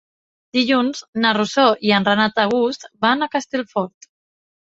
Dilluns na Rosó i en Renat August van a Castellfort.